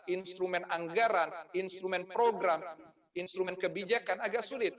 instrumen anggaran instrumen program instrumen kebijakan agak sulit